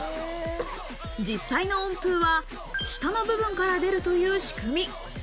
実際の温風は下の部分から出るという仕組み。